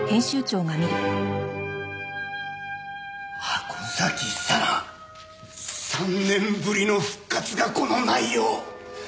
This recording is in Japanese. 箱崎咲良３年ぶりの復活がこの内容。